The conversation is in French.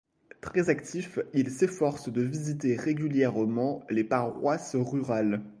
Très actif, il s'efforce de visiter régulièrement les paroisses rurales.